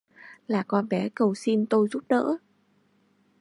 Là con bé cầu xin tôi giúp đỡ